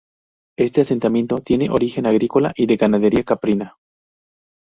Este asentamiento tiene origen agrícola y de ganadería caprina.